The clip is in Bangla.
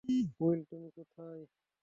উইল, তুমি কোথায়?